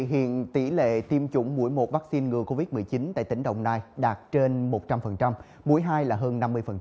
hiện tỷ lệ tiêm chủng mũi một vaccine ngừa covid một mươi chín tại tỉnh đồng nai đạt trên một trăm linh mũi hai là hơn năm mươi